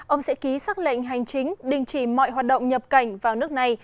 ông sẽ ký xác lệnh hành chính đình chỉ mọi hoạt động nhập cảnh vào nước này